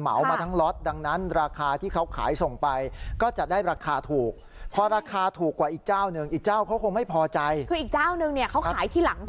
เหมามาทั้งล็อตดังนั้นราคาที่เขาขายส่งไปก็จะได้ราคาถูกเพราะราคาถูกกว่าอีกเจ้าหนึ่ง